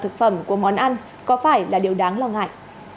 thực phẩm của món ăn có phải là điều đáng lo ngại